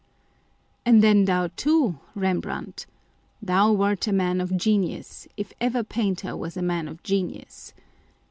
And thou too, Rem brandt ! Thou wert a man of genius, if ever painter was a man of genius